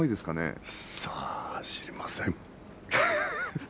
さあ知りません。